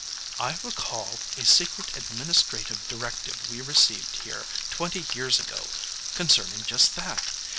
"I recall a secret administrative directive we received here twenty years ago concerning just that.